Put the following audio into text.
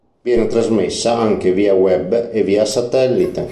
Viene trasmessa anche via web e via satellite.